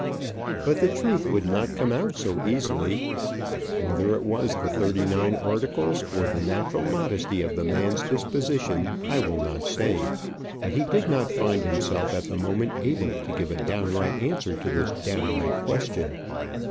But the truth would not come out so easily. Whether it was the thirty nine articles, or the natural modesty of the man's disposition, I will not say; but he did not find himself at the moment able to give a downright answer to this downright question.